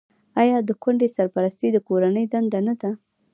آیا د کونډې سرپرستي د کورنۍ دنده نه ده؟